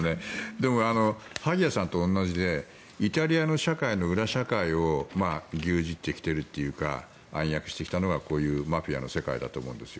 でも、萩谷さんと同じでイタリアの社会の裏社会を牛耳ってきているというか暗躍してきたのがこういうマフィアの世界だと思うんですよ。